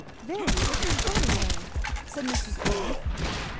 "Very extraordinary!" said Mrs. Thorn.